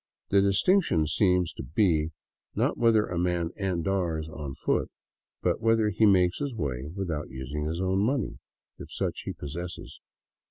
The distinction seems to be, not whether a man " andars " on foot, but whether he makes his way with out using his own money, if such he possesses.